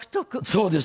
そうです。